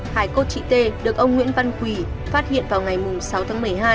hải cốt chị t được ông nguyễn văn quỳ phát hiện vào ngày sáu tháng một mươi hai